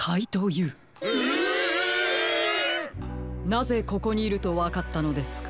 なぜここにいるとわかったのですか？